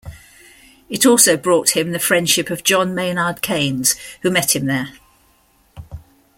It also brought him the friendship of John Maynard Keynes, who met him there.